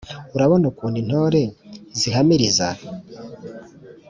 urabona ukuntu intore zihamiriza!